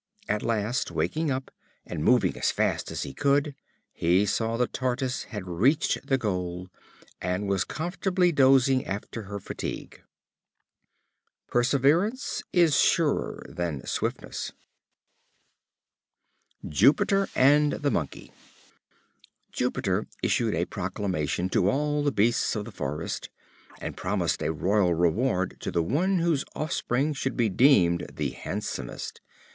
At last waking up, and moving as fast as he could, he saw the Tortoise had reached the goal, and was comfortably dozing after her fatigue. Perseverance is surer than swiftness. Jupiter and the Monkey. Jupiter issued a proclamation to all the beasts of the forest, and promised a royal reward to the one whose offspring should be deemed the handsomest.